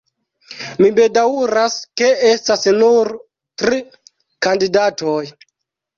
Mi bedaŭras ke estas nur tri kandidatoj.